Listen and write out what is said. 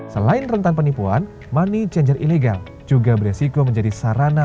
selain rentan penipuan money changer illegal juga beresiko menjadi sarana